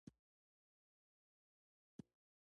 فرهنګي بډاینه د یوې ټولنې د خلاقیت او د فکر د ازادۍ نښه ده.